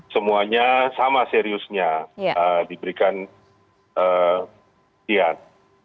semuanya sama seriusnya diberikan tian